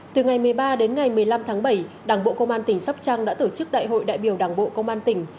từ ngày một mươi ba đến ngày một mươi năm tháng bảy đảng bộ công an tỉnh sóc trăng đã tổ chức đại hội đại biểu đảng bộ công an tỉnh